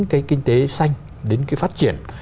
cái kinh tế xanh đến cái phát triển